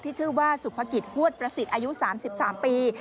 ชื่อว่าสุภกิจฮวดประสิทธิ์อายุ๓๓ปี